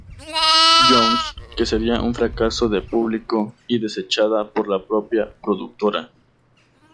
Jones" que sería un fracaso de público y desechada por la propia productora.